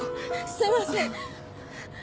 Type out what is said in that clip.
すいません。